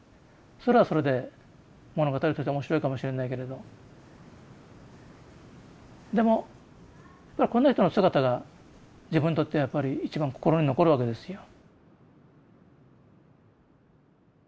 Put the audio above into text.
それはそれで物語として面白いかもしれないけれどでもこんな人の姿が自分にとってはやっぱり一番心に残るわけですよ。